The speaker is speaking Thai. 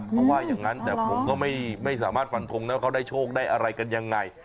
เขาว่าอย่างนั้นแต่ผมก็ไม่สามารถฟันทงนะเขาได้โชคได้อะไรกันยังไง